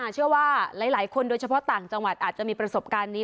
เชื่อว่าหลายคนโดยเฉพาะต่างจังหวัดอาจจะมีประสบการณ์นี้